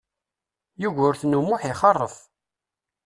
Yugurten U Muḥ ixeṛṛef.